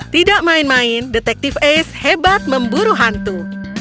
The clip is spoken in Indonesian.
tidak main main detektif ace hebat memburu hantu